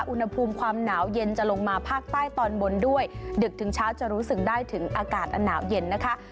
อุณหภูมิความหนาวเย็นจะลงมาภาคใต้ตอนบนด้วยดึกถึงเช้าจะรู้สึกได้ถึงอากาศหนาวเย็นนะคะ